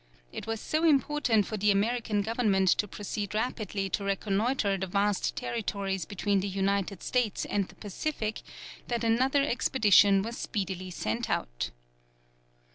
It was so important for the American government to proceed rapidly to reconnoitre the vast territories between the United States and the Pacific, that another expedition was speedily sent out.